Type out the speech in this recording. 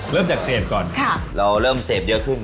เริ่มจากเสพก่อนเราเริ่มเสพเยอะขึ้น